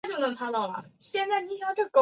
她与同为浙江选手的叶诗文是好友。